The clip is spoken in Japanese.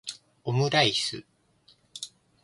omuraisu